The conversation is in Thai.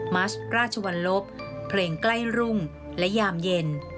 มัสราชวรรลบเพลงใกล้รุ่งและยามเย็น